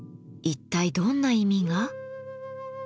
一体どんな意味が？